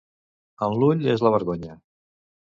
En l'ull és la vergonya.